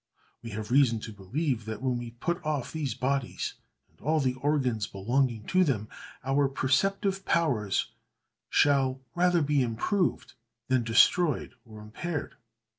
"We have reason to believe that when we put off these bodies, and all the organs belonging to them, our perceptive powers shall rather be improved than destroyed or impaired.